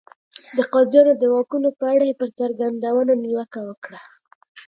د قاضیانو د واکونو په اړه یې پر څرګندونو نیوکه وکړه.